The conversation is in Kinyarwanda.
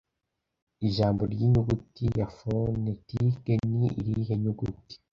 Ijambo ry'inyuguti ya fonetike ni irihe nyuguti